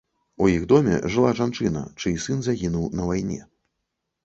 У іх доме жыла жанчына, чый сын загінуў на вайне.